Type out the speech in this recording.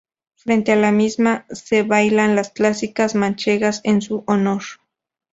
Frente a la misma se bailan las clásicas manchegas en su honor.